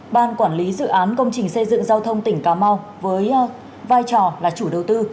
ban quản lý dự án công trình xây dựng giao thông tỉnh cà mau với vai trò là chủ đầu tư